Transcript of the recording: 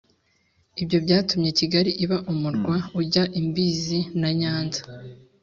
ibyo byatumye kigali iba umurwa ujya imbizi na nyanza.